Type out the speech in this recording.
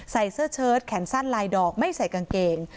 เสื้อเชิดแขนสั้นลายดอกไม่ใส่กางเกง